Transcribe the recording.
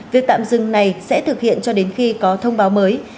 việc tạm dừng này sẽ thực hiện cho đến khi có thông báo mới